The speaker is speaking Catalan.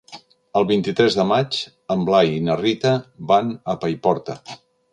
El vint-i-tres de maig en Blai i na Rita van a Paiporta.